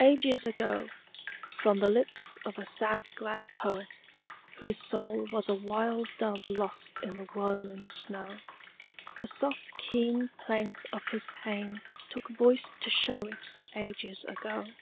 Ages ago, from the lips of a sad glad poet Whose soul was a wild dove lost in the whirling snow, The soft keen plaint of his pain took voice to show it Ages ago.